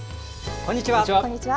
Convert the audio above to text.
こんにちは。